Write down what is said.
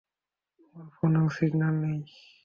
তোমার ফোনেও সিগন্যাল নেই।